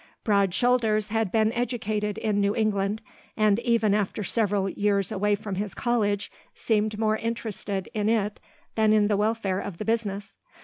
Broad Shoulders had been educated in New England and even after several years away from his college seemed more interested in it than in the welfare of the business.